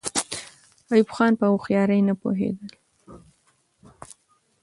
ایوب خان په هوښیارۍ نه پوهېدل.